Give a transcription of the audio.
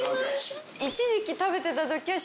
一時期食べてた時は。